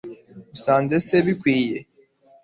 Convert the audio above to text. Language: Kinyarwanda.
usanze se bikwiye